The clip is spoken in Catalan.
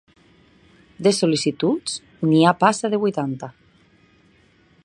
De sol·licituds, n'hi ha passa de vuitanta.